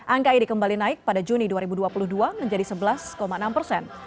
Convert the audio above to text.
angka ini kembali naik pada juni dua ribu dua puluh dua menjadi sebelas enam persen